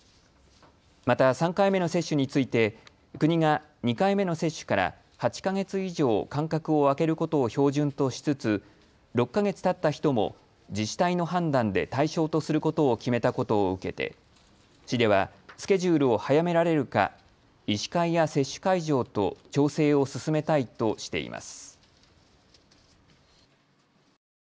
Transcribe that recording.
また３回目の接種について国が２回目の接種から８か月以上間隔を空けることを標準としつつ６か月たった人も自治体の判断で対象とすることを決めたことを受けて市ではスケジュールを早められるか医師会や接種会場と調整を進めたいとしています。